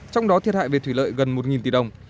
trong đó thiệt hại về thủy lợi gần một tỷ đồng